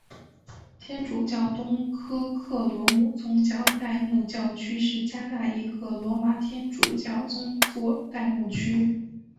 天主教东科克罗姆宗座代牧教区是加纳一个罗马天主教宗座代牧区。